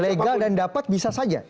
legal dan dapat bisa saja